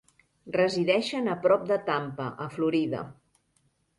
Resideixen a prop de Tampa, a Florida.